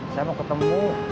saya mau ketemu